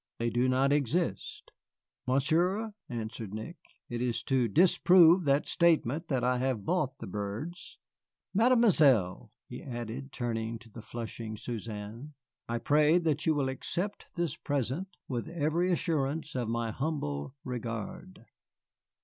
They do not exist." "Monsieur," answered Nick, "it is to disprove that statement that I have bought the birds. Mademoiselle," he added, turning to the flushing Suzanne, "I pray that you will accept this present with every assurance of my humble regard."